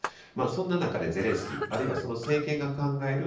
そんな中でゼレンスキー、あるいはその政権が考える